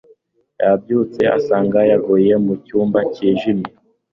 Yabyutse asanga yugaye mu cyumba cyijimye.